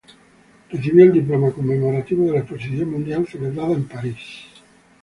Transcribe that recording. Recibió el Diploma Conmemorativo de la Exposición Mundial celebrada en París.